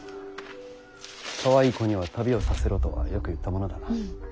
かわいい子には旅をさせろとはよく言ったものだな。